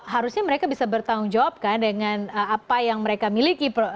harusnya mereka bisa bertanggung jawab kan dengan apa yang mereka miliki